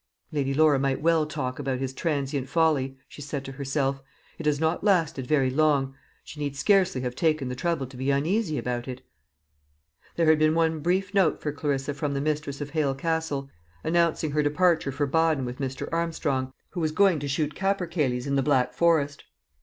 "Lady Laura might well talk about his transient folly," she said to herself. "It has not lasted very long. She need scarcely have taken the trouble to be uneasy about it." There had been one brief note for Clarissa from the mistress of Hale Castle, announcing her departure for Baden with Mr. Armstrong, who was going to shoot capercailzies in the Black Forest.